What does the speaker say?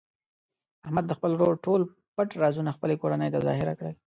احمد د خپل ورور ټول پټ رازونه خپلې کورنۍ ته ظاهره کړل.